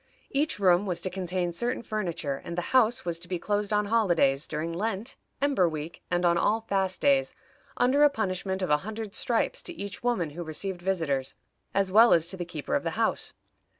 Each room was to contain certain furniture, and the house was to be closed on holidays, during Lent, Ember Week, and on all fast days, under a punishment of a hundred stripes to each woman who received visitors, as well as to the keeper of the house.